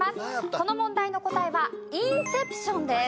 この問題の答えは『インセプション』です。